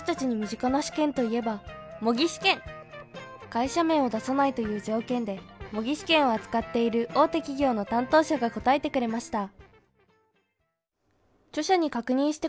会社名を出さないという条件で模擬試験を扱っている大手企業の担当者が答えてくれました